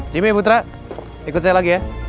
cipi putra ikut saya lagi ya